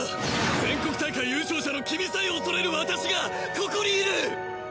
全国大会優勝者の君さえ恐れる私がここにいる！